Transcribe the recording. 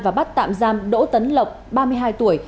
và bắt tạm giam đỗ tấn lộc ba mươi hai tuổi